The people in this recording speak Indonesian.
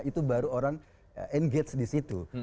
itu baru orang engage di situ